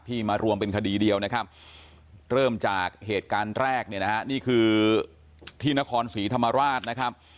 มารวมเป็นคดีเดียวนะครับเริ่มจากเหตุการณ์แรกเนี่ยนะฮะนี่คือที่นครศรีธรรมราชนะครับ